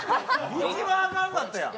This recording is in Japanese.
一番あかんかったやん。